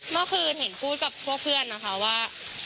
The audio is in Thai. เมื่อคืนเห็นพูดกับพวกเพื่อนนะคะว่า